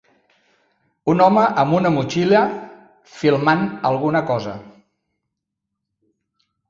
Un home amb una motxilla filmant alguna cosa